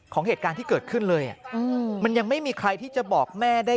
เหตุการณ์ที่เกิดขึ้นเลยมันยังไม่มีใครที่จะบอกแม่ได้